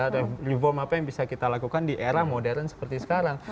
reform apa yang bisa kita lakukan di era modern seperti sekarang